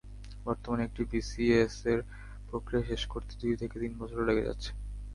বর্তমানে একটি বিসিএসের প্রক্রিয়া শেষ করতে দুই থেকে তিন বছরও লেগে যাচ্ছে।